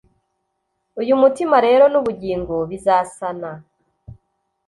uyu mutima rero nubugingo bizasana